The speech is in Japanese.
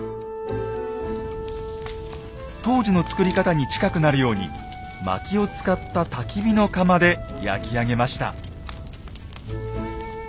当時の作り方に近くなるようにまきを使ったたき火の窯で焼き上げました。